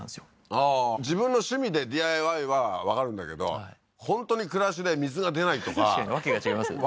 ああー自分の趣味でＤＩＹはわかるんだけど本当に暮らしで水が出ないとか訳が違いますよね